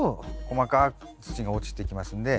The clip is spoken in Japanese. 細かい土が落ちていきますんで。